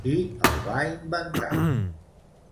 Qui el va inventar?